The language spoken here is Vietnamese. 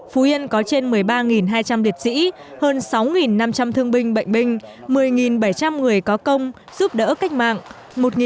phú yên có trên một mươi ba hai trăm linh liệt sĩ hơn sáu năm trăm linh thương binh bệnh binh một mươi bảy trăm linh người có công giúp đỡ cách mạng